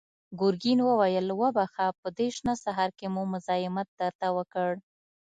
ګرګين وويل: وبخښه، په دې شنه سهار کې مو مزاحمت درته وکړ.